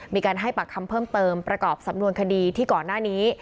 มีการให้ปากคำเพิ่มเติมประกอบสำนวนคดีที่ก่อนหน้านี้